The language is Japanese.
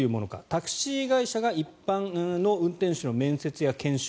タクシー会社が一般の運転手の面接や研修